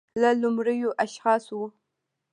له لومړیو اشخاصو و